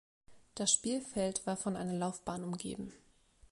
Das Spielfeld war von einer Laufbahn umgeben.